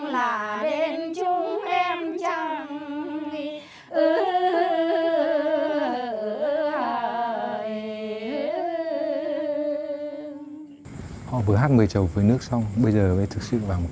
lá giá hoa mây giá hoa tình ơ